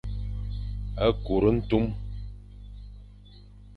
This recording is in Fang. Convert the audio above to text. Kur ntum,